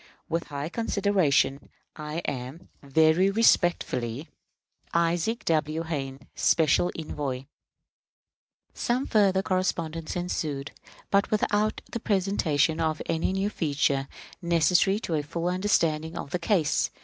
With high consideration, I am, very respectfully, ISAAC W. HAYNE, Special Envoy. Some further correspondence ensued, but without the presentation of any new feature necessary to a full understanding of the case.